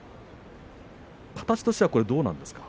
形としてはどうですか。